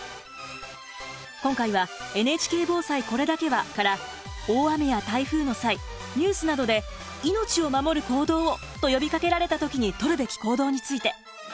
今回は「ＮＨＫ防災これだけは」から大雨や台風の際ニュースなどで「命を守る行動を！」と呼びかけられた時に取るべき行動について。